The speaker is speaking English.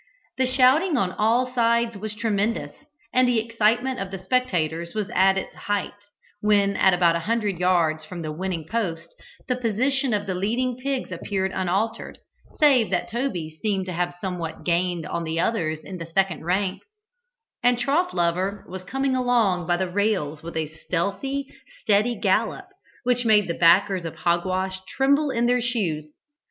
The shouting on all sides was tremendous, and the excitement of the spectators was at its height, when at about a hundred yards from the winning post the position of the leading pigs appeared unaltered, save that Toby seemed to have somewhat gained on the others in the second rank, and Trough lover was coming along by the rails with a stealthy, steady gallop, which made the backers of Hogwash tremble in their shoes.